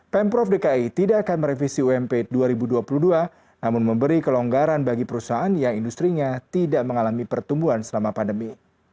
pemprov dki tidak akan merevisi ump dua ribu dua puluh dua namun memberi kelonggaran bagi perusahaan yang industri nya tidak mengalami pertumbuhan selama pandemi